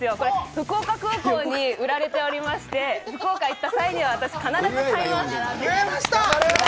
福岡空港に売られておりまして、福岡、行った際には私、必ず買います。